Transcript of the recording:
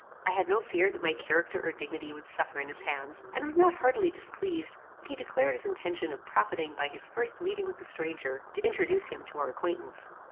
I had no fear that my character or dignity would suffer in his hands, and was not heartily displeased when he declared his intention of profiting by his first meeting with the stranger to introduce him to our acquaintance.